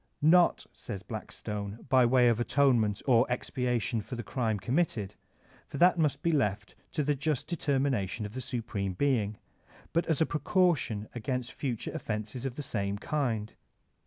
"Not," says Blackstone, "by way of atonement or expiation for the crime committed, for that must be left to the just determination of the Supreme Being, but as a precaution against future offenses of the same kind.''